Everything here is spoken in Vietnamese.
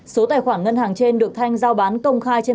số tài khoản ngân hàng trên được thanh giao bán công khai trên